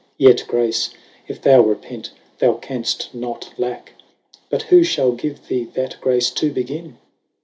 Yet grace, if thou repent, thou canft not lacke ; But who mail give thee that grace to beginne